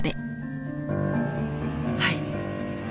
はい。